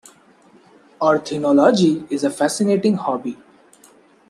Ornithology is a fascinating hobby.